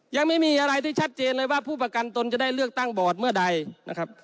ยังไม่มีอะไรที่ชัดเจนเลยว่าผู้ประกันตนจะได้เลือกตั้งบอร์ดเมื่อใดนะครับ